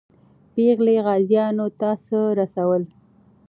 پېغلې غازیانو ته څه رسول؟